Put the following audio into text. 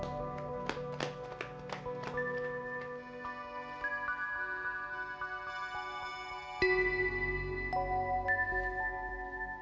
tidak ada yang mem deficitir diri